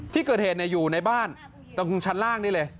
ที่เกิดเหตุอยู่ในบ้านตรงชั้นล่างนี่เลย